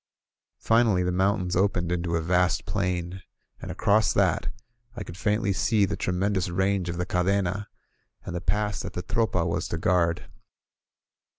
Finally, the mountains opened into a vast plain, and across that I could faintly see the tremendous range of the Cadcna, and the pass that the Tropa was to guard.